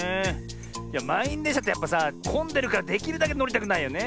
いやまんいんでんしゃってやっぱさこんでるからできるだけのりたくないよね。